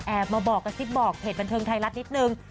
มาบอกกระซิบบอกเพจบันเทิงไทยรัฐนิดนึง